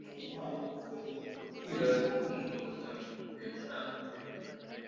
Ubwirasi bw’umuntu buzamutesha agaciro